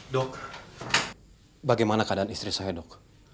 dok bagaimana keadaan istri saya dok